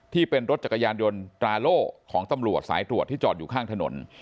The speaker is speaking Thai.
ที่เป็นรถจักรยานยนต์ตราโล่ของตำรวจสายตรวจที่จอดอยู่ข้างถนน